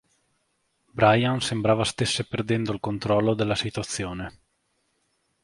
Brian sembrava stesse perdendo il controllo della situazione.